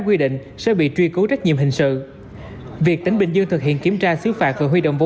quy định sẽ bị truy cố trách nhiệm hình sự việc tỉnh bình dương thực hiện kiểm tra xứ phạt và huy